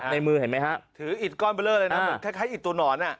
มือเห็นไหมฮะถืออิดก้อนเบอร์เลอร์เลยนะเหมือนคล้ายอิดตัวหนอน